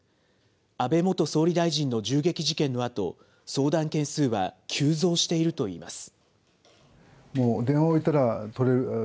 安倍元総理大臣の銃撃事件のあと、相談件数は急増しているといいます。